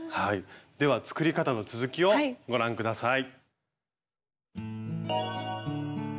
では作り方の続きをご覧下さい。